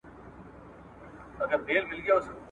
انتقام ته پاڅېدلی بیرغ غواړم `